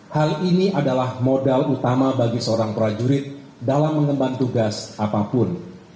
hal ini adalah modal utama bagi seorang prajurit dalam mengemban tugas apapun